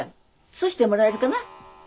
そうしてもらえるかな？